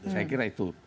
saya kira itu